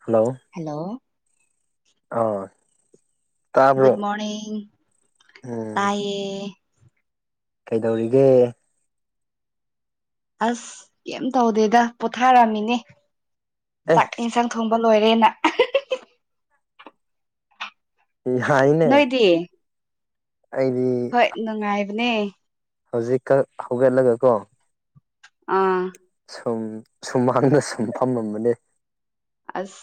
hello hello ꯑꯥ ꯨꯒꯨꯠꯗ ꯇꯥꯕ꯭ꯔꯣ ꯃꯣꯔꯅꯤꯡ ꯎꯝ ꯇꯥꯏꯌꯦ ꯀꯩꯗꯧꯔꯤꯒꯦ ꯑꯁ ꯀꯝ ꯇꯧꯗꯦꯗ ꯄꯣꯊꯥꯔꯝꯃꯤꯅꯦ ꯑꯦ ꯆꯥꯛ ꯏꯟꯁꯥꯡ ꯊꯣꯡꯕ ꯂꯣꯏꯔꯦꯅ ꯍꯥꯏꯅꯦ ꯅꯣꯏꯗꯤ ꯑꯩꯗꯤ ꯍꯣꯏ ꯅꯨꯡꯉꯥꯏꯕꯅꯦ ꯍꯧꯖꯤꯛꯀ ꯍꯧꯒꯠꯂꯒ ꯀꯣ ꯑꯥ ꯁꯨꯝ ꯁꯨꯝꯃꯥꯡꯗ ꯁꯨꯝ ꯐꯝꯃꯝꯕꯅꯦ ꯑꯁ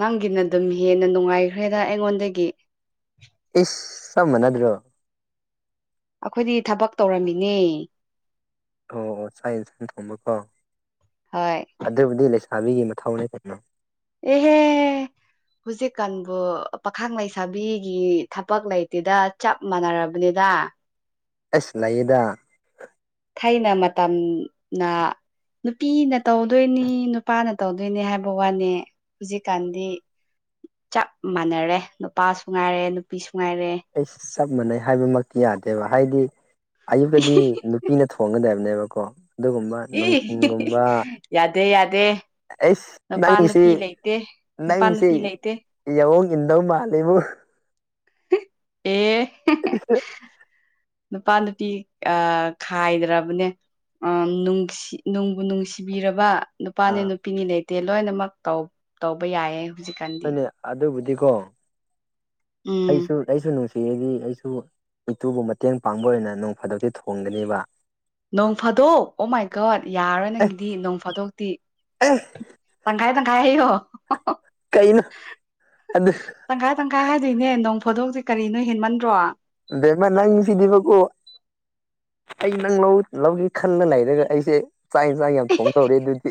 ꯅꯪꯒꯤꯅ ꯑꯗꯨꯝ ꯍꯦꯟꯅ ꯅꯨꯡꯉꯥꯏꯈ꯭ꯔꯦꯗ ꯑꯩꯉꯣꯟꯗꯒꯤ ꯏꯁ ꯆꯝ ꯃꯅꯗ꯭ꯔꯣ ꯑꯩꯈꯣꯏꯗꯤ ꯊꯕꯛ ꯇꯧꯔꯝꯃꯤꯅꯦ ꯑꯣ ꯆꯥꯏ ꯏꯟꯁꯟ ꯊꯣꯡꯕꯀꯣ ꯍꯣꯏ ꯑꯗꯨꯕꯨꯗꯤ ꯂꯩꯁꯥꯕꯤꯒꯤ ꯃꯊꯧꯅꯦ ꯀꯩꯅꯣ ꯑꯦꯍꯦ ꯍꯧꯨꯖꯤꯛꯀꯥꯟꯕꯨ ꯄꯥꯈꯪꯡ ꯂꯩꯁꯥꯕꯤꯒꯤ ꯊꯕꯛ ꯂꯩꯇꯦꯗ ꯆꯞ ꯃꯥꯟꯅꯔꯕꯅꯤꯅ ꯑꯦꯁ ꯂꯩꯌꯦꯗ ꯊꯥꯏꯅ ꯃꯇꯝꯅ ꯅꯨꯄꯤꯅ ꯇꯧꯗꯣꯏꯅꯤ ꯅꯨꯄꯥꯅ ꯇꯧꯗꯣꯏꯅꯤ ꯍꯥꯏꯕ ꯋꯥꯅꯦ ꯍꯧꯖꯤꯛꯀꯥꯟꯗꯤ ꯆꯞ ꯃꯥꯟꯅꯔꯦ ꯅꯨꯄꯥꯁꯨ ꯉꯥꯏꯔꯦ ꯅꯨꯄꯤꯁꯨ ꯉꯥꯏꯔꯦ ꯑꯁ ꯆꯞ ꯃꯥꯟꯅꯩ ꯍꯥꯏꯕꯃꯛꯇꯤ ꯌꯥꯗꯦꯕ ꯍꯥꯏꯗꯤ ꯑꯌꯨꯛꯇꯗꯤ ꯅꯨꯄꯤꯅ ꯊꯣꯡꯒꯗꯕꯅꯦꯕꯀꯣ ꯑꯗꯨꯒꯨꯝꯕ ꯏ ꯅꯨꯡꯊꯤꯟꯒꯨꯝꯕ ꯌꯥꯗꯦ ꯌꯥꯗꯦ ꯑꯩꯁ ꯅꯨꯄꯥ ꯅꯪꯒꯤꯁꯤ ꯅꯨꯄꯤ ꯂꯩꯇꯦ ꯅꯨꯄꯥ ꯅꯪꯁꯤ ꯅꯨꯄꯤ ꯂꯩꯇꯦ ꯌꯥꯋꯣꯡ ꯏꯟꯗꯧ ꯃꯥꯜꯂꯦꯕꯨ ꯑꯦ [unintelligible] ꯅꯨꯄꯥ ꯅꯨꯄꯤ ꯑ ꯈꯥꯏꯗ꯭ꯔꯕꯅꯦ ꯑꯥ ꯅꯨꯁꯤ ꯅꯨꯡꯕꯨ ꯅꯨꯡꯁꯤꯕꯤꯔꯕ ꯑꯥ ꯅꯨꯄꯥꯅꯤ ꯅꯨꯄꯤꯅꯤ ꯂꯩꯇꯦ ꯂꯣꯏꯅꯃꯛ ꯇꯧꯕ ꯌꯥꯏꯌꯦ ꯍꯧꯖꯤꯛꯀꯥꯟꯗꯤ ꯍꯣꯏꯅꯦ ꯑꯗꯨꯕꯨꯗꯤꯀꯣ ꯎꯝ ꯑꯩꯁꯨ ꯑꯩꯁꯨ ꯅꯨꯡꯁꯤꯌꯦꯗꯤ ꯑꯩꯁꯨ ꯏꯇꯨꯕꯨ ꯃꯇꯦꯡ ꯄꯥꯡꯕ ꯑꯣꯏꯅ ꯅꯣꯡ ꯐꯥꯗꫭꯛꯗꯤ ꯊꯣꯡꯒꯅꯦꯕ ꯅꯣꯡ ꯐꯥꯗꯣꯛ ꯑꯣ ꯃꯥꯏ ꯒꫭꯠ ꯌꯥꯔꯣꯏ ꯑꯦ ꯅꯪꯒꯤꯗꯤ ꯅꯣꯡ ꯐꯥꯗꯣꯛꯇꯤ ꯑꯦ ꯇꯪꯈꯥꯏ ꯇꯪꯈꯥꯏ ꯍꯥꯌꫭ ꯀꯩꯅꯣ ꯑꯗꯨ ꯇꯪꯈꯥꯏ ꯇꯪꯈꯥꯏ ꯍꯥꯏꯗꯣꯏꯅꯦ ꯅꯣꯡ ꯐꯥꯗꯣꯛꯇꯦ ꯀꯔꯤꯅꫭ ꯍꯦꯟꯃꯟꯗ꯭ꯔꯣ ꯕꯦꯃꯥ ꯅꯪꯁꯤꯗꯤꯕꯀꯣ ꯑꯩ ꯅꯪ ꯂꯧ ꯂꯧꯒꯦ ꯈꯜꯂ ꯂꯩꯔꯒ ꯑꯩꯁꯦ ꯆꯥꯛ ꯌꯦꯟ ꯆꯥꯡ ꯌꯥꯝ ꯊꯣꯡꯗꯩꯔꯤ ꯑꯗꯨꯗꯤ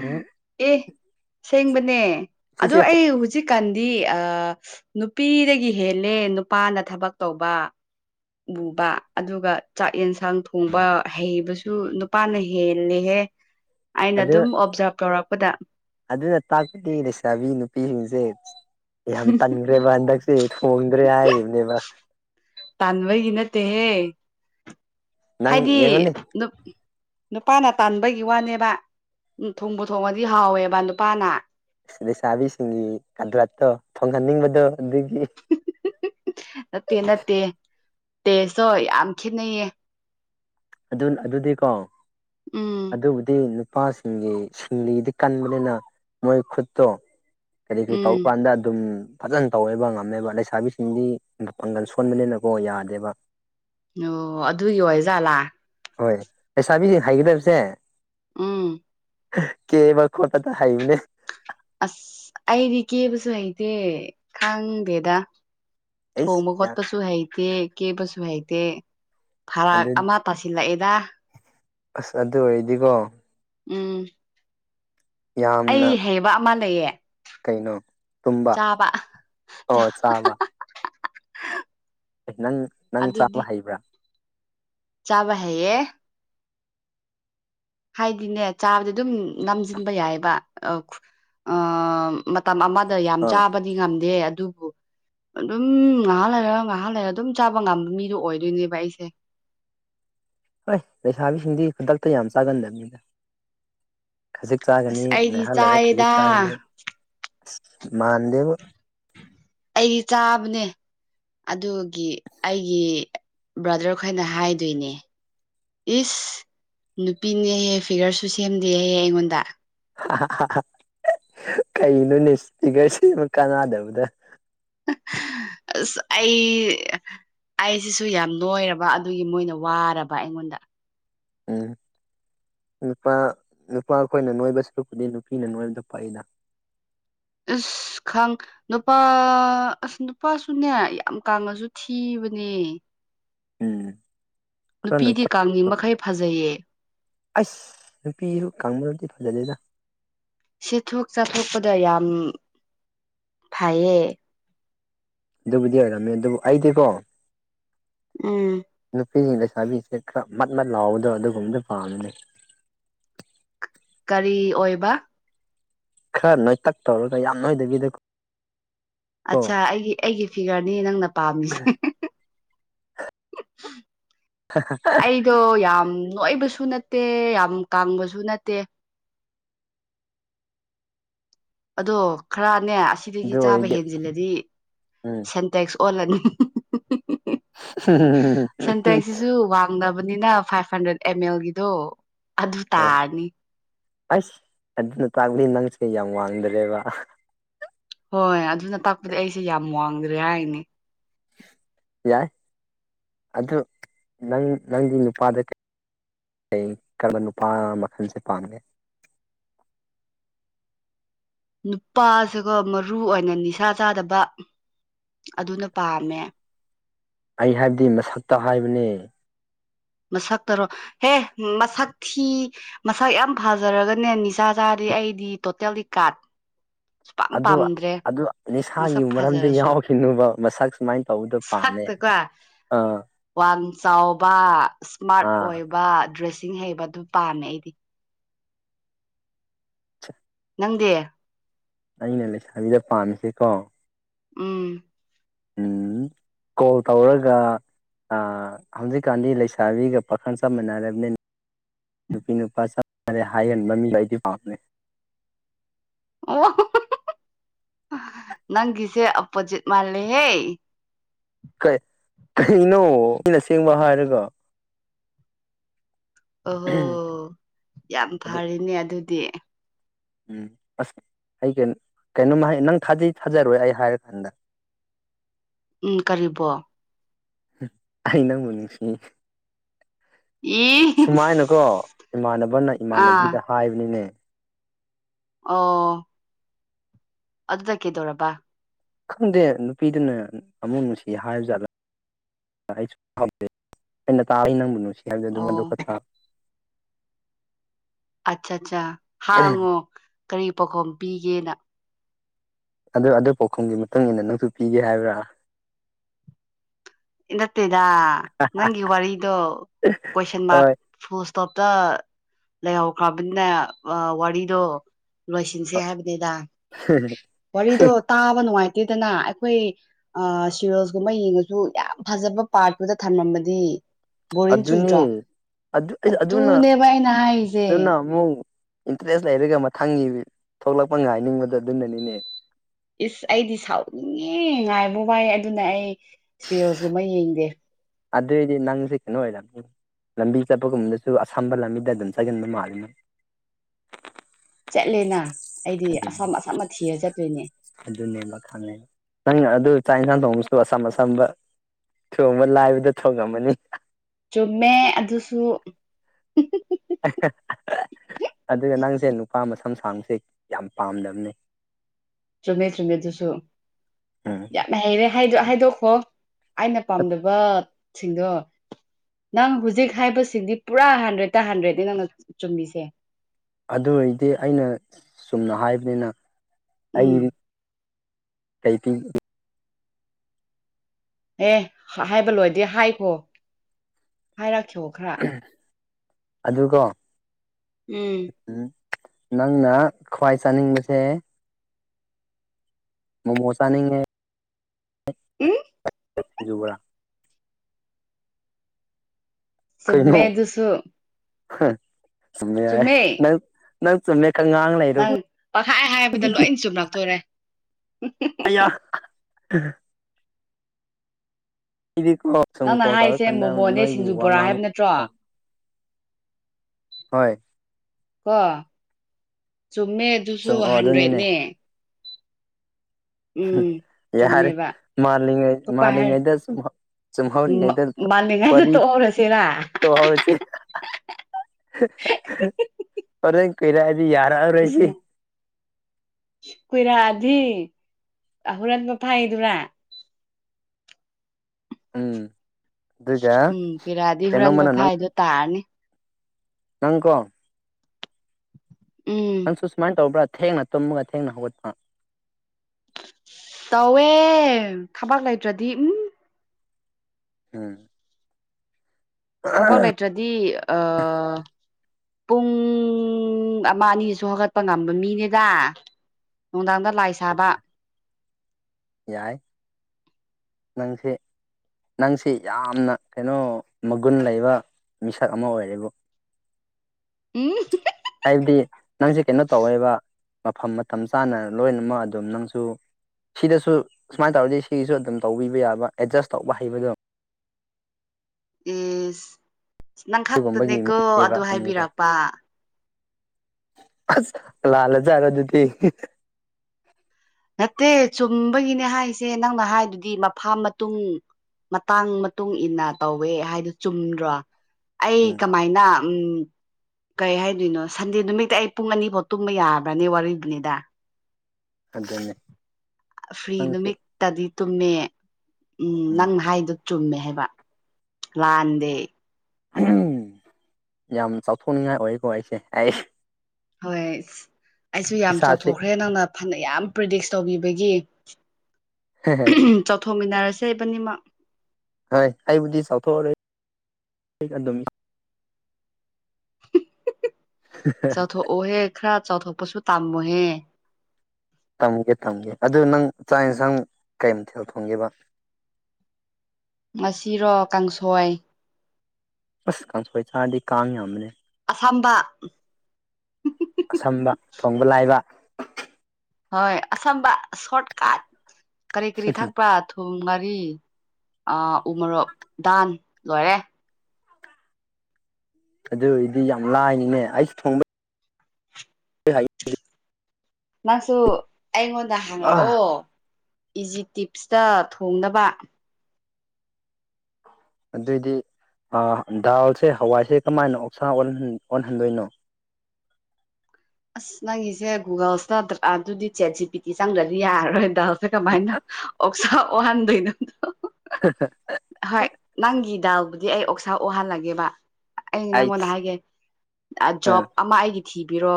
ꯎꯝ ꯑꯦ ꯁꯦꯡꯕꯅꯦ ꯑꯗꯣ ꯁꯤꯁꯦ ꯑꯩ ꯍꯧꯖꯤꯛꯀꯥꯟꯗꯤ ꯑ ꯅꯨꯄꯤꯗꯒꯤ ꯍꯦꯜꯂꯦ ꯅꯨꯄꯥꯅ ꯊꯕꯛ ꯇꯧꯕ ꯕꯨꯕ ꯑꯗꯨꯒ ꯆꯥꯛ ꯌꯦꯟꯁꯥꯡ ꯊꯣꯡꯕ ꯍꯩꯕꯁꯨ ꯅꯨꯄꯥꯅ ꯍꯦꯜꯂꯦꯍꯦ ꯑꯩꯅ ꯑꯗꯨ ꯗꯨꯝ ꯑꯣꯞꯖꯥꯔꯞ ꯇꯧꯔꯛꯄꯗ ꯑꯗꯨꯅ ꯇꯥꯛꯄꯗꯤ ꯂꯩꯁꯥꯕꯤ ꯅꯨꯄꯤꯁꯤꯡꯁꯦ ꯌꯥꯝ ꯇꯟꯈ꯭ꯔꯦꯕ ꯍꯟꯗꯛ ꯇꯤ ꯊꯣꯡꯗ꯭ꯔꯦ ꯍꯥꯏꯔꯤꯅꯦꯕ ꯇꯥꯟꯕꯒꯤ ꯅꯠꯇꯦꯍꯦ ꯅꯪ ꯍꯥꯏꯗꯤ ꯌꯦꯡꯉꯨꯅꯦ ꯅꯨ ꯅꯨꯄꯥꯅ ꯇꯥꯟꯕꯒꯤ ꯋꯥꯅꯦꯕ ꯎꯝ ꯊꯨꯝꯕꯨ ꯊꯣꯡꯉꯗꯤ ꯍꯥꯎꯋꯦꯕ ꯅꯨꯄꯥꯅ ꯂꯩꯁꯥꯕꯤꯁꯤꯡꯒꯤ ꯀꯗ꯭ꯔꯥꯠꯇꯣ ꯊꯣꯡꯍꯟꯅꯤꯡꯕꯗꯣ ꯑꯗꯨꯒꯤ ꯅꯠꯇꯦ ꯅꯠꯇꯦ ꯇꯦꯁꯇꯣ ꯌꯥꯝ ꯈꯦꯠꯅꯩꯌꯦ ꯑꯗꯨ ꯑꯗꯨꯗꯤꯀꯣ ꯎꯝ ꯑꯗꯨꯕꯨꯗꯤ ꯅꯨꯄꯥꯁꯤꯡꯒꯤ ꯁꯤꯡꯂꯤꯗꯤ ꯀꯟꯕꯅꯤꯅ ꯃꯣꯏ ꯈꯨꯠꯇꯣ ꯀꯔꯤ ꯀꯔꯤ ꯎꯝ ꯇꯧꯕ ꯀꯥꯟꯗ ꯑꯗꯨꯝ ꯐꯖꯅ ꯇꯧꯋꯦꯕ ꯉꯝꯃꯦꯕ ꯂꯩꯁꯥꯕꯤꯁꯤꯡꯗꯤ ꯄꯥꯡꯒꯜ ꯁꯣꯟꯕꯅꯤꯅꯀꯣ ꯌꯥꯗꯦꯕ ꯑꯣ ꯑꯗꯨꯒꯤ ꯋꯥ ꯖꯥꯠꯂꯥ ꯍꯣꯏ ꯑꯩ ꯆꯥꯕꯤꯁꯤꯡ ꯍꯥꯏꯒꯗꯕꯁꯦ ꯎꯝ ꯀꯦꯕ ꯈꯣꯄ ꯍꯥꯏꯅꯦ ꯑꯁ ꯑꯩꯗꯤ ꯀꯦꯕꯁꯨ ꯍꯩꯇꯦ ꯈꯪꯗꯦꯗ ꯑꯩꯁ ꯊꯣꯡꯃ ꯌꯥꯝ ꯀꯣꯠꯄꯁꯨ ꯍꯥꯏꯇꯦ ꯀꯦꯕꯁꯨ ꯍꯥꯏꯇ ꯐꯔꯥꯛ ꯑꯗꯨ ꯑꯃ ꯇꯥꯁꯤꯜꯂꯛꯑꯦꯗ ꯑꯁ ꯑꯗꯨ ꯑꯣꯏꯔꯗꯤꯀꯣ ꯎꯝ ꯌꯥꯝꯅ ꯑꯩ ꯍꯩꯕ ꯑꯃ ꯂꯩꯌꯦ ꯀꯩꯅꯣ ꯇꯨꯝꯕ ꯆꯥꯕ ꯑꯣ ꯆꯥꯕ ꯑꯦ ꯅꯪ ꯅꯪ ꯑꯗꯨꯗꯤ ꯆꯥꯕ ꯍꯩꯕ꯭ꯔꯥ ꯆꯥꯕ ꯍꯩꯌꯦ ꯍꯥꯏꯗꯤꯅꯦ ꯆꯥꯕꯗꯤ ꯑꯗꯨꯝ ꯉꯝꯁꯤꯟꯕ ꯌꯥꯏꯑꯕ ꯑ ꯃꯇꯝ ꯑꯃꯗ ꯌꯥꯝ ꯑꯥ ꯆꯥꯕꯗꯤ ꯉꯝꯗꯦ ꯑꯗꯨꯕꯨ ꯑꯗꯨꯝ ꯉꯥꯏꯍꯥ ꯂꯩꯔ ꯉꯥꯏꯍꯥ ꯂꯩꯔ ꯑꯗꯨꯝ ꯆꯥꯕ ꯉꯝꯕ ꯃꯤꯗꯣ ꯑꯣꯏꯗꯣꯏꯅꯦꯕ ꯑꯩꯁꯦ ꯍꯣꯏ ꯂꯩꯁꯥꯕꯤꯁꯤꯡꯗꯤ ꯈꯨꯟꯗꯛꯇ ꯌꯥꯝ ꯆꯥꯒꯟꯗꯕꯅꯤꯅꯖꯤ ꯑꯁ ꯆꯥꯒꯅꯤ ꯑꯩꯗꯤ ꯉꯥꯏꯍꯥꯛ ꯂꯩꯔ ꯈꯖꯤꯛ ꯆꯥꯏꯌꯦꯗ ꯆꯥꯒꯅꯤ ꯃꯥꯟꯗꯦꯕꯨ ꯑꯩ ꯆꯥꯕꯅꯦ ꯑꯗꯨꯒꯤ ꯑꯩꯒꯤ ꯕ꯭ꯔꯗꯔ ꯈꯅ ꯍꯥꯏꯗꯣꯏꯅꯦ ꯏꯁ ꯅꯨꯄꯤꯅꯦ ꯍꯦ ꯐꯤꯒꯔꯁꯨ ꯁꯦꯝꯗꯦ ꯍꯥꯍꯦ ꯑꯩꯉꯣꯟꯗ ꯀꯩꯅꯣꯅꯦ ꯐꯄꯤꯒꯔꯁꯕ ꯀꯅꯥꯗꯕꯗ ꯑꯁ ꯑꯩ ꯑꯩꯁꯤꯁꯨ ꯌꯥꯝ ꯅꯣꯏꯔꯕ ꯑꯗꯨꯒꯤ ꯃꯣꯏꯅ ꯋꯥꯔꯕ ꯑꯩꯉꯣꯟꯗ ꯎꯝ ꯅꯨꯄꯥ ꯅꯨꯄꯥ ꯑꯩꯈꯣꯏꯅ ꯅꯣꯏꯕ ꯁꯔꯨꯄꯨꯗꯤ ꯅꯨꯄꯤꯅ ꯅꯣꯏꯕꯗ ꯄꯥꯛꯏꯗ ꯏꯁ ꯈꯪ ꯅꯨꯄꯥ ꯑꯁ ꯅꯨꯄꯥꯁꯨꯅꯦ ꯌꯥꯝ ꯀꯥꯡꯉꯁꯨ ꯊꯤꯕꯅꯦ ꯎꯝ ꯈꯔ ꯅꯨꯄꯤꯗꯤ ꯅꯣꯏꯇꯛ ꯀꯪꯉꯤ ꯃꯈꯩ ꯐꯖꯩꯌꯦ ꯑꯁ ꯅꯨꯄꯤꯁꯨ ꯀꯥꯡꯕꯗꯤ ꯐꯖꯗꯦꯗ ꯁꯦꯠꯊꯣꯛ ꯆꯥꯊꯣꯛꯄꯗ ꯌꯥꯝ ꯐꯩꯌꯦ ꯑꯗꯨꯕꯨꯗꯤ ꯑꯣꯏꯔꯝꯃꯦ ꯑꯗꯨꯕꯨ ꯑꯩꯗꯤꯀꯣ ꯎꯝ ꯅꯨꯄꯤꯁꯤꯡ ꯂꯩꯁꯥꯕꯤꯁꯦ ꯈꯔ ꯃꯠ ꯃꯠ ꯂꯥꯎꯕꯗꯣ ꯑꯗꯨꯒꯨꯝꯕꯗꯨ ꯄꯥꯝꯃꯤ ꯂꯩ ꯀꯔꯤ ꯑꯣꯏꯕ ꯈꯔ ꯅꯣꯏꯇꯛ ꯇꯧꯔꯒ ꯌꯥꯝ ꯅꯣꯏꯗꯕꯤꯗ ꯑꯠꯆꯥ ꯑꯩꯒꯤ ꯑꯩꯒꯤ ꯐꯤꯒꯔꯅꯤ ꯅꯪꯅ ꯄꯥꯝꯃꯤꯁꯦ [unintelligible] [unintelligible] ꯑꯩꯗꯣ ꯌꯥꯝ ꯅꯣꯏꯕꯁꯨ ꯅꯠꯇꯦ ꯌꯥꯝ ꯀꯥꯡꯕꯁꯨ ꯅꯠꯇꯦ ꯑꯗꯣ ꯈꯔꯅꯦ ꯑꯗꯨ ꯑꯁꯤꯗꯒꯤ ꯆꯥꯕ ꯑꯣꯏꯔꯗꯤ ꯍꯦꯟꯖꯤꯜꯂꯗꯤ ꯎꯝ ꯁꯦꯟꯇꯦꯛꯁ ꯑꯣꯜꯂꯅꯤ ꯁꯦꯟꯇꯦꯛꯁꯁꯤꯁꯨ ꯋ ꯐꯪꯕꯅꯤꯅ ꯐꯥꯏꯚ ꯍꯟꯗ꯭ꯔꯦꯗ ꯑꯦꯝ ꯑꯦꯜꯒꯤꯗꯣ ꯑꯗꯨ ꯇꯥꯔꯅꯤ ꯑꯁ ꯑꯗꯨꯅ ꯇꯥꯛꯂꯤ ꯅꯪꯁꯨꯦ ꯀꯩ ꯌꯥꯝ ꯋꯥꯡꯗ꯭ꯔꯦꯕ ꯍꯣꯏ ꯑꯗꯨꯅ ꯇꯥꯛꯄꯗꯤ ꯑꯩꯁꯦ ꯌꯥꯝ ꯋꯥꯡꯗ꯭ꯔꯦ ꯍꯥꯏꯅꯤ ꯌꯥꯏ ꯑꯗꯨ ꯅꯪ ꯅꯪꯒꯤ ꯅꯨꯄꯥꯗ ꯑꯩ ꯀꯔꯝꯕ ꯅꯨꯄꯥ ꯃꯈꯜꯁꯦ ꯄꯥꯝꯒꯦ ꯅꯨꯄꯥꯁꯤꯒ ꯃꯔꯨ ꯑꯣꯏꯅ ꯅꯤꯁꯥ ꯆꯥꯗꯕ ꯑꯗꯨꯅ ꯄꯥꯝꯃꯦ ꯑꯩ ꯍꯥꯏꯕꯗꯤ ꯃꯁꯛꯇ ꯍꯥꯏꯕꯅꯦ ꯃꯁꯛꯇꯔꯣ ꯍꯦ ꯃꯁꯛ ꯊꯤ ꯃꯁꯛ ꯌꯥꯝ ꯐꯖꯔꯒꯅꯦ ꯅꯤꯆꯥ ꯆꯥꯔꯗꯤ ꯑꯩꯗꯤ ꯇꯣꯇꯦꯜꯗꯤ ꯀꯥꯠ ꯁꯨꯄꯥꯝ ꯑꯗꯨ ꯄꯥꯝꯗ꯭ꯔꯦ ꯑꯗꯨ ꯅꯤꯡꯟꯁꯥꯡꯒꯤ ꯃꯁꯛ ꯃꯔꯝꯗ ꯐꯖꯔꯁꯨ ꯌꯥꯎꯈꯤꯅꯨꯕ ꯃꯁꯛ ꯁꯨꯃꯥꯏꯅ ꯇꯧꯕꯗꯣ ꯄꯥꯝꯃꯦ ꯑꯥ ꯋꯥ ꯆꯥꯎꯕ ꯏꯁꯃꯥꯔꯠ ꯑꯥ ꯑꯣꯏꯕ ꯗ꯭ꯔꯦꯁꯤꯡ ꯍꯩꯕ ꯑꯗꯨ ꯄꯥꯝꯃꯦ ꯑꯩꯗꯤ ꯎꯝ ꯅꯪꯗꯤꯦ ꯑꯩꯅ ꯂꯩꯁꯥꯕꯤꯗ ꯄꯥꯝꯃꯤꯁꯦ ꯀꯣ ꯎꯝ ꯎꯝ ꯀꯣꯜ ꯇꯧꯔꯒ ꯑ ꯍꯧꯖꯤꯛꯀꯥꯟꯗꯤ ꯂꯩꯁꯥꯕꯤꯒ ꯄꯥꯈꯜ ꯆꯞ ꯃꯅꯔꯕꯅꯤꯅ ꯅꯨꯄꯤ ꯅꯨꯄꯥ ꯆꯠꯔꯦ ꯍꯥꯏꯍꯟꯕ ꯃꯤꯒ ꯑꯩꯗꯤ ꯄꯥꯝꯃꯦ ꯑꯣ ꯅꯪꯒꯤꯁꯦ ꯑꯄꯣꯖꯤꯠ ꯃꯥꯜꯂꯦꯍꯦ ꯀꯩꯅꯣ ꯑꯩꯅ ꯁꯦꯡꯕ ꯍꯥꯏꯔꯒ ꯑꯣꯍꯣ ꯌꯥꯝ ꯑꯗꯨ ꯐꯔꯅꯦ ꯑꯗꯨꯗꯤ ꯎꯝ ꯑꯁ ꯑꯩ ꯀꯩꯅꯣ ꯀꯩꯅꯣꯝꯃ ꯅꯪ ꯊꯥꯖꯩ ꯊꯥꯖꯔꯣꯏ ꯑꯩ ꯍꯥꯏꯔ ꯀꯥꯟꯗ ꯎꯝ ꯀꯔꯤꯕꯣ ꯑꯩ ꯅꯪꯣ ꯅꯁꯤꯅꯤ ꯏ ꯁꯨꯃꯥꯏꯅꯨꯀꯣ ꯏꯃꯥꯟꯅꯕꯅ ꯑꯥ ꯏꯃꯥꯟꯅꯕꯤꯗ ꯍꯥꯏꯕꯅꯤꯅꯦ ꯑꯣ ꯑꯗꯨꯗ ꯀꯩꯗꯧꯔꯕ ꯈꯪꯗꯦ ꯅꯨꯄꯤꯗꯨꯅ ꯑꯃꯨꯛ ꯅꯨꯡꯁꯤ ꯍꯥꯏꯕꯖꯥꯠ ꯑꯗꯨ ꯑꯩꯁꯨ ꯑꯩꯅ ꯇꯥ ꯅꯪꯕꯨ ꯅꯨꯡꯁꯤ ꯍꯥꯏꯕꯗ ꯑꯗꯨꯝ ꯑꯣ ꯃꯗꯨ ꯈꯔ ꯊ ꯑꯠꯆꯥ ꯑꯠꯆꯥ ꯍꯥꯡꯉꯣ ꯀꯔꯤ ꯄꯥꯎꯈꯨꯝ ꯄꯤꯒꯦꯅ ꯑꯗꯨ ꯑꯗꯨ ꯄꯥꯎꯈꯨꯝꯒꯤ ꯃꯇꯨꯡ ꯏꯟꯅ ꯅꯪꯁꯨ ꯄꯤꯒꯦ ꯍꯥꯏꯕ꯭ꯔꯥ ꯅꯠꯇꯦꯗ ꯅꯪꯒꯤ ꯋꯥꯔꯤꯗꯣ ꯀꯣꯏꯁꯟ ꯃꯥꯔꯛ ꯍꯣꯏ ꯐꯣꯟ ꯏꯁꯇꯣꯞꯇ ꯂꯩꯍꯧꯈ꯭ꯔꯕꯅꯤꯅꯦ ꯋꯥꯔꯤꯗꯣ ꯂꯣꯏꯁꯤꯟꯁꯦ ꯍꯥꯏꯕꯅꯦꯗ ꯋꯥꯔꯤꯗꯣ ꯇꯥꯕ ꯅꯨꯡꯉꯥꯏꯇꯦꯗꯅ ꯑꯩꯈꯣꯏ ꯁꯤꯔꯤꯌꯦꯜꯁꯀꯨꯝꯕ ꯌꯦꯡꯉꯁꯨ ꯌꯥꯝ ꯐꯖꯕ ꯄꯥꯔꯠꯠꯇꯨꯗ ꯊꯝꯂꯝꯃꯗꯤ ꯕꯣꯣꯔꯦꯟ ꯆꯨꯗ꯭ꯔꯣ ꯑꯗꯨꯅꯤ ꯑꯗꯨ ꯑꯗꯨꯅꯦꯕ ꯑꯩꯅ ꯍꯥꯏꯔꯤꯁꯦ ꯑꯃꯃ ꯏꯟꯇꯔꯦꯁ ꯂꯩꯔꯒ ꯃꯊꯪꯒꯤ ꯊꯣꯛꯂꯛꯄ ꯉꯥꯏꯅꯤꯡꯕꯗꯣ ꯑꯗꯨꯅꯅꯤꯅꯦ ꯏꯁ ꯑꯩꯗꯤ ꯁꯥꯎꯅꯤꯡꯉꯦ ꯉꯥꯏꯕ ꯋꯥꯏ ꯑꯗꯨꯅ ꯑꯩ ꯁꯤꯔꯤꯌꯦꯜꯁꯀꯨꯝꯕ ꯌꯦꯡꯗꯦ ꯑꯗꯨꯑꯣꯏꯗꯤ ꯅꯪꯁꯦ ꯀꯩꯅꯣ ꯑꯣꯏꯔꯕꯝꯅꯤ ꯂꯝꯕꯤ ꯆꯠꯄꯒꯨꯝꯕꯗꯁꯨ ꯑꯁꯝꯕ ꯂꯝꯕꯤꯗ ꯑꯗꯨꯝ ꯆꯪꯁꯤꯟꯕ ꯃꯥꯜꯅꯤ ꯆꯠꯂꯦꯅ ꯑꯩꯗꯤ ꯑꯁꯝ ꯑꯁꯥꯝꯅ ꯊꯤꯔ ꯆꯠꯇꯣꯏꯅꯦ ꯑꯗꯨ ꯅꯂꯥꯛ ꯈꯪꯉ ꯅꯪ ꯑꯗꯨ ꯆꯥꯛ ꯌꯦꯟꯁꯥꯡ ꯊꯣꯡꯕꯁꯨ ꯑꯁꯝ ꯑꯁꯝꯕ ꯊꯣꯡꯕ ꯂꯥꯏꯕꯗ ꯊꯣꯡꯉꯝꯃꯅꯤ ꯆꯨꯝꯃꯦ ꯑꯗꯨꯁꯨ ꯑꯗꯨꯒ ꯅꯪꯁꯦ ꯅꯨꯄꯥ ꯃꯁꯝ ꯁꯥꯡꯁꯦ ꯌꯥꯝ ꯄꯥꯝꯗꯕꯅꯦ ꯆꯨꯝꯃꯦ ꯆꯨꯝꯃꯦ ꯑꯗꯨꯁꯨ ꯎꯝ ꯌꯥꯝꯅ ꯍꯩꯔꯦ ꯍꯥꯏꯗꯣꯛꯈꯣ ꯑꯩꯅ ꯄꯥꯝꯗꯕ ꯁꯤꯡꯗꯣ ꯅꯪ ꯍꯧꯖꯤꯛ ꯍꯥꯏꯕꯁꯤꯗꯤ ꯄꯨꯔꯥ ꯍꯟꯗ꯭ꯔꯦꯠꯇ ꯍꯟꯗ꯭ꯔꯦꯠꯅꯤ ꯅꯪꯅ ꯆꯨꯝꯃꯤꯁꯦ ꯑꯗꯨ ꯑꯣꯏꯔꯗꯤ ꯑꯩꯅ ꯁꯨꯝꯅ ꯍꯥꯏꯕꯅꯤꯅ ꯑꯩ ꯎꯝ ꯇꯩꯇ ꯑꯦ ꯍꯥꯏꯕ ꯂꯣꯏꯔꯗꯤ ꯍꯥꯏꯈꯣ ꯍꯥꯏꯔꯛꯈꯣ ꯈꯔ ꯑꯗꯨꯀꯣ ꯎꯝ ꯎꯝ ꯅꯪꯅ ꯈ꯭ꯋꯥꯏ ꯆꯥꯅꯤꯡꯕꯁꯦ ꯃꯣꯃꯣ ꯆꯥꯅꯤꯡꯉꯦ ꯎꯝ ꯁꯤꯡꯖꯨꯕ꯭ꯔꯥ ꯁꯃꯦꯗꯨꯁꯨ ꯁꯃꯦ ꯅꯪ ꯅꯪ ꯆꯃꯦ ꯀꯉ ꯅꯪ ꯄꯪꯈꯥꯏ ꯍꯥꯏꯕꯗ ꯂꯣꯏ ꯆꯨꯝꯂꯛꯇꯣꯔꯦ ꯑꯌꯥ ꯑꯩꯗꯤ ꯀꯣ ꯁꯨꯝ ꯅꯪꯅ ꯀꯣꯜ ꯍꯥꯏꯔꯤꯁꯦ ꯇꯧꯔꯀꯥꯟꯗ ꯃꯣꯃꯣꯅꯦ ꯅꯣꯏꯒꯤ ꯁꯤꯡꯖꯨ ꯋꯥ ꯕꯣꯔꯥ ꯉꯥꯡꯕ ꯍꯥꯏꯕ ꯅꯠꯇ꯭ꯔꯣ ꯍꯣꯏ ꯀꯣ ꯆꯨꯝꯃꯦ ꯑꯗꯨꯁꯨ ꯁꯨꯝ ꯑꯣ ꯑꯗꯨꯅꯤꯅꯦ ꯍꯟꯗ꯭ꯔꯦꯠꯅꯦ ꯎꯝ ꯌꯥꯔꯦ ꯆꯨꯝꯃꯦꯕ ꯃꯥꯂꯤ ꯃꯥꯂꯤꯗ ꯁꯃ ꯃꯅꯤꯡꯉꯥꯏꯁꯨ ꯇꯣꯛꯎꯧꯔꯁꯤꯦꯔ ꯔꯁꯤꯦ ꯐ ꯀꯔ ꯑꯗꯨ ꯌꯥꯔꯛꯑꯔꯣꯏꯁꯤ ꯏꯁ ꯀꯨꯏꯔꯛꯑꯗꯤ ꯍꯨꯔꯟꯕ ꯐꯥꯏꯗꯨꯔꯥ ꯑꯝ ꯎꯝ ꯀꯦꯔꯥꯗꯤ ꯍꯨꯔꯥꯟꯕ ꯀꯩꯅꯣꯝꯃꯅ ꯐꯥꯏꯗꯣ ꯇꯥꯔꯅꯤ ꯍꯥꯡꯀꯣꯡ ꯎꯝ ꯑꯟꯁꯨ ꯁꯨꯃꯥꯏ ꯇꯧꯕꯕ꯭ꯔ ꯊꯦꯡꯅ ꯇꯃꯒ ꯊꯦꯡꯅ ꯍꯧꯒꯠꯄꯔꯥ ꯇꯧꯋꯦ ꯊꯕꯛ ꯂꯩꯇ꯭ꯔꯗꯤ ꯎꯝ ꯎꯝ ꯊꯕꯛ ꯂꯩꯇ꯭ꯔꯗꯤ ꯑ ꯄꯨꯡ ꯑꯃ ꯑꯅꯤꯁꯨ ꯍꯧꯒꯠꯄ ꯉꯝꯕ ꯃꯤꯅꯦꯗ ꯎꯗ ꯌꯥꯏ ꯅꯪꯁꯦ ꯅꯪꯁꯤ ꯌꯥꯝꯅ ꯀꯩꯅꯣ ꯃꯒꯨꯟ ꯂꯩꯕ ꯃꯤꯁꯛ ꯑꯃ ꯑꯣꯏꯔꯦꯕꯨ ꯎꯝ ꯍꯥꯏꯕꯗꯤ ꯅꯪꯁꯦ ꯀꯩꯅꯣ ꯇꯧꯋꯦꯕ ꯃꯐꯝ ꯃꯇꯝ ꯆꯥꯅ ꯂꯣꯏꯅꯃꯛ ꯑꯗꯨꯝ ꯅꯪꯁꯨ ꯁꯤꯗꯁꯨ ꯁꯨꯃꯥꯏꯅ ꯇꯧꯔꯗꯤ ꯁꯤꯒꯤꯁꯨ ꯑꯗꯨꯝ ꯇꯧꯕꯤꯕ ꯌꯥꯕ ꯑꯦꯗꯖꯁ ꯇꯧꯕ ꯍꯩꯕꯗꯣ ꯑꯦꯁ ꯑꯗꯨꯒꯨꯝꯕꯒꯤ ꯅꯪꯈꯥꯛꯛꯇꯅꯦꯀꯣ ꯃꯤꯅꯦꯕ ꯑꯗꯨ ꯈꯪꯉꯤꯀꯣ ꯍꯥꯏꯕꯤꯔꯛꯄ ꯑꯁ ꯂꯥꯂ ꯆ ꯍꯥꯏꯔ ꯑꯗꯨꯗꯤꯤ ꯅꯠꯇꯦ ꯆꯨꯝꯕꯒꯤꯅꯦ ꯍꯥꯏꯁꯦ ꯅꯪꯅ ꯍꯥꯏꯗꯨꯗꯤ ꯃꯐꯥ ꯃꯇꯨꯡ ꯃꯇꯥꯡ ꯃꯇꯨꯡ ꯏꯟꯅ ꯇꯧꯋꯦ ꯍꯥꯏꯗꯨ ꯆꯨꯝꯗ꯭ꯔꯣ ꯑꯩ ꯎꯝ ꯃꯥꯏꯅꯥ ꯎꯝ ꯀꯩ ꯍꯥꯏꯗꯣꯏꯅꯣ ꯁꯟꯗꯦ ꯅꯨꯃꯤꯠꯇ ꯑꯩ ꯄꯨꯡ ꯑꯅꯤꯐꯧ ꯇꯨꯝꯕ ꯌꯥꯕ꯭ꯔꯅꯦ ꯋꯥꯔꯤꯔꯤꯕꯅꯤꯗ ꯑꯗꯅꯦ ꯐ꯭ꯔꯤ ꯅꯨꯃꯤꯠꯇꯗꯤ ꯇꯨꯝꯃꯦ ꯎꯝ ꯅꯪꯅ ꯍꯥꯏꯗꯨ ꯆꯨꯝꯃꯦ ꯍꯥꯏꯕ ꯂꯥꯟꯗꯦ ꯌꯥꯝ ꯆꯥꯎꯊꯣꯛꯅꯤꯡꯉꯥꯏ ꯑꯣꯏꯀꯣ ꯑꯩꯁꯦ ꯑꯩ ꯍꯣꯏ ꯑꯩꯁꯨ ꯌꯥꯝ ꯏꯁꯥꯁꯦ ꯆꯥꯎꯊꯣꯛꯈ꯭ꯔꯦ ꯅꯪꯅ ꯐꯅ ꯌꯥꯝ ꯄ꯭ꯔꯤꯗꯤꯛꯁ ꯇꯧꯕꯤꯕꯒꯤ ꯆꯥꯎꯊꯣꯛꯃꯤꯟꯅꯔꯁꯦꯕꯅꯤꯃꯛ ꯍꯣꯏ ꯑꯩꯕꯨꯗꯤ ꯆꯥꯎꯊꯣꯛꯑꯔꯣꯏ ꯑꯗꯨꯝ ꯆꯥꯎꯊꯣꯛꯑꯣꯍꯦ ꯈꯔ ꯆꯥꯎꯊꯣꯛꯄꯁꯨ ꯇꯝꯃꯨꯍꯦ ꯇꯝꯒꯦ ꯇꯝꯒꯦ ꯑꯗꯨ ꯅꯪ ꯆꯥꯛ ꯌꯦꯟꯁꯥꯡ ꯀꯩꯝ ꯊꯦꯜ ꯊꯣꯡꯈꯤꯕ ꯉꯁꯤꯔꯣ ꯀꯥꯡꯁꯣꯏ ꯑꯁ ꯀꯥꯡꯁꯣꯏ ꯆꯥꯔꯗꯤ ꯀꯥꯡ ꯌꯥꯝꯕꯅꯦ ꯑꯁꯝꯕ ꯑꯁꯝꯕ ꯊꯣꯡꯕ ꯂꯥꯏꯕ ꯍꯣꯏ ꯑꯁꯝꯕ ꯁꯣꯔꯠ ꯀꯠ ꯀꯔꯤ ꯀꯔꯤ ꯊꯛꯄ ꯊꯨꯝ ꯉꯥꯔꯤ ꯎꯃꯣꯔꯣꯛꯞ ꯗꯥꯟ ꯂꯣꯏꯔꯦ ꯑꯗꯨꯏꯗꯤ ꯌꯥꯝ ꯂꯥꯏꯅꯤꯅꯦ ꯑꯩꯁ ꯊꯣꯡꯕ ꯍꯥꯏ ꯅꯪꯁꯨ ꯑꯩꯉꯣꯟꯗ ꯑ ꯍꯪꯉꯔꯛꯑꯣ ꯏꯖꯤꯛꯇꯤꯞꯁꯇ ꯊꯣꯡꯅꯕ ꯑꯗꯨꯑꯣꯏꯗꯤ ꯗꯥꯜꯁꯦ ꯍꯋꯥꯏꯁꯦ ꯀꯃꯥꯏꯅ ꯑꯣꯛꯁꯥꯡ ꯑꯣ ꯑꯣꯟꯍꯟꯗꯣꯏꯅꯣ ꯑꯁ ꯅꯪꯒꯤꯁꯦ ꯒꯨꯒꯜꯁꯇ ꯑꯗꯨꯗꯤ ꯆꯦꯠ ꯖꯤ ꯄꯤ ꯇꯤ ꯆꯪꯗ꯭ꯔꯗꯤ ꯌꯥꯔꯔꯣꯏꯗ ꯥꯀꯃꯥꯏꯅꯥ ꯑꯣꯛꯁꯥ ꯑꯣꯍꯥꯟꯗ ꯅꯗꯣ [unintelligible] ꯍꯣꯏ ꯅꯪꯒꯤ ꯗꯥꯜꯕꯨꯗꯤ ꯑꯩ ꯑꯣꯛꯁꯥ ꯑꯣꯍꯜꯂꯒꯦꯕ ꯑꯩ ꯅꯪꯉꯣꯟꯗ ꯍꯥꯏꯒꯦ ꯖꯣꯕ ꯑꯃ ꯑꯩꯒꯤ ꯊꯤꯕꯤꯔꯣ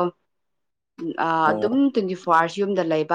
ꯑꯣ ꯑꯗꯨꯝ ꯇ꯭ꯋꯦꯟꯇꯤ ꯐꯣꯔ ꯑꯋꯥꯋꯔꯁ ꯌꯨꯝꯗ ꯂꯩꯕ